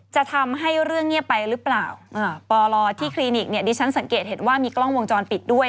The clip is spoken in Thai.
จะทำให้เรื่องเงียบไปหรือเปล่าปลที่คลินิกเนี่ยดิฉันสังเกตเห็นว่ามีกล้องวงจรปิดด้วย